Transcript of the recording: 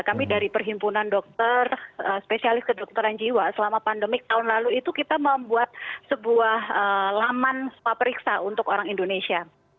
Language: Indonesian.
kami dari perhimpunan dokter spesialis kedokteran jiwa selama pandemik tahun lalu itu kita membuat sebuah laman spa periksa untuk orang indonesia